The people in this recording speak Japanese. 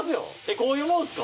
こういうもんすか？